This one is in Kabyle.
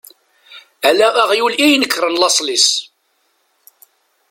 Ala aɣyul i inekren lasel-is.